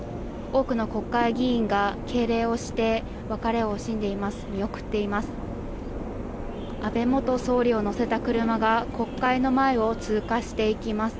多くの国会議員が敬礼をして別れを惜しんでいます。